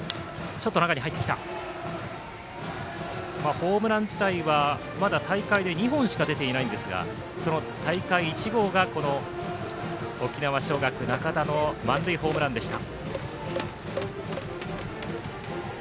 ホームラン自体はまだ大会で２本しか出ていないんですがその大会１号が沖縄尚学、仲田の満塁ホームランでした。